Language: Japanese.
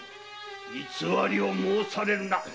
偽りを申されるな。